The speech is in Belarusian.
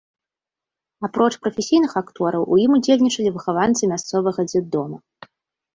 Апроч прафесійных актораў у ім удзельнічалі выхаванцы мясцовага дзетдома.